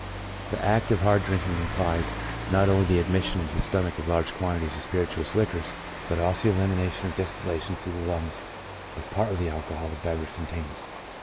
The act of hard drinking implies not only the admission into the stomach of large quantities of spirituous liquors, but also the elimination or distillation through the lungs of part of the alcohol the beverage contains.